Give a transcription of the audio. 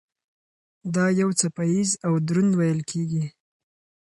دا یو څپه ایز او دروند ویل کېږي.